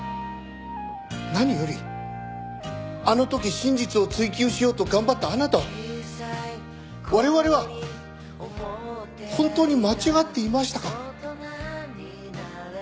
何よりあの時真実を追求しようと頑張ったあなたは我々は本当に間違っていましたか？